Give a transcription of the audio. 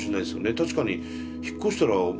確かに引っ越したら周り